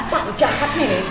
pak lu jahat nih